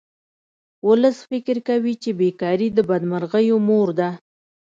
ولس فکر کوي چې بې کاري د بدمرغیو مور ده